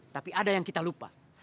tapi ada yang kita lupa